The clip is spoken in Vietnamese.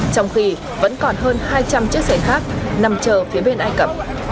trong khi vẫn còn hơn hai trăm linh chiếc xe khác nằm chờ phía bên ai cập